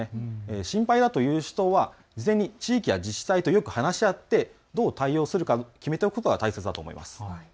心配だという人は事前に地域や自治体とよく話し合ってどう対応するか決めておくことが大切だと思います。